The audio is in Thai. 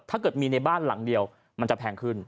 ถ้าเกิดมีในบ้านหลังเดียวมันจะแพงขึ้น